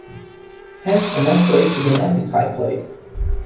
Hence a nephroid is an epicycloid.